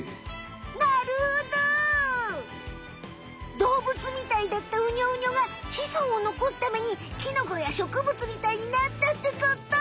どうぶつみたいだったウニョウニョが子孫をのこすためにキノコや植物みたいになったってこと？